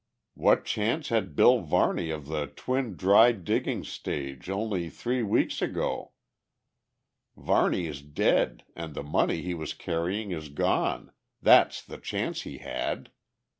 What chance had Bill Varney of the Twin Dry Diggings stage only three weeks ago? Varney is dead and the money he was carrying is gone, that's the chance he had!